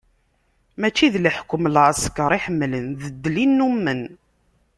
Mačči d leḥkem n lɛesker i ḥemmlen, d ddel i nnumen.